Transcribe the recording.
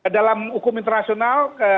dalam hukum internasional